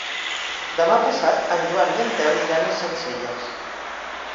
Demà passat en Joan i en Telm iran a Sencelles.